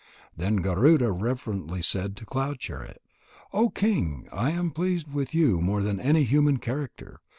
Then Garuda reverently said to Cloud chariot: "O King, I am pleased with your more than human character.